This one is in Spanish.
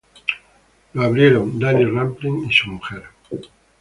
Lo abrieron Danny Rampling y su mujer.